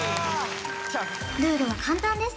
ルールは簡単です